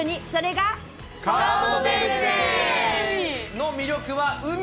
の魅力は海。